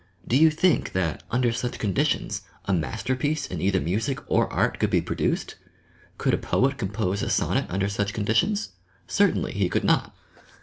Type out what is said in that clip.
Do you think that, under such eon 1 '■HAEMONIOnS CONDITIONS' 1 ditions, a masterpiece in either music or art could be produced! Could a poet compose a sonnet under such conditions T Certainly he could not!